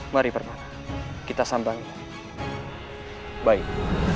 mari bermana kita sambangin baik